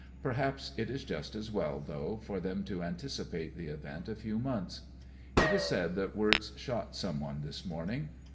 Perhaps it is just as well though, for them to anticipate the event a few months. It is said that Wirtz shot some one this morning.